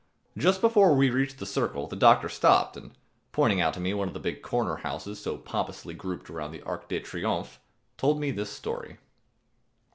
Just before we reached the Circle, the doctor stopped and, pointing out to me one of the big corner houses so pompously grouped around the Arc de Triomphe,[266 2] told me this story.